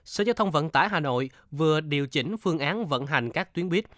sở giao thông vận tải hà nội vừa điều chỉnh phương án vận hành các tuyến buýt